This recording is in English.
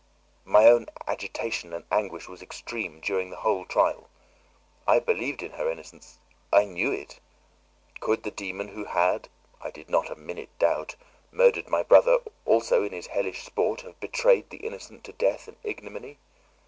My own agitation and anguish was extreme during the whole trial. I believed in her innocence; I knew it. Could the dæmon who had (I did not for a minute doubt) murdered my brother also in his hellish sport have betrayed the innocent to death and ignominy?